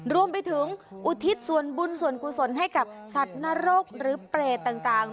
รวมไปถึงอุทิศส่วนบุญส่วนกุศลให้กับสัตว์นรกหรือเปรตต่าง